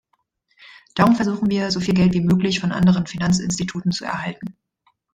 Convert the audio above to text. Darum versuchen wir, so viel Geld wie möglich von anderen Finanzinstitutionen zu erhalten.